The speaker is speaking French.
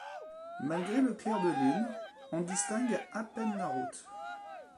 Malgré le clair de lune, on distingue à peine la route.